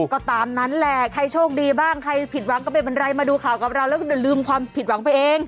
ก็ตามนั้นแหละใครโชคดีบ้างใครผิดหวังก็ไม่เป็นไรมาดูข่าวกับเราแล้วก็อย่าลืมความผิดหวังไปเอง